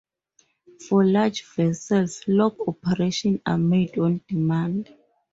For large vessels, lock operations are made on demand.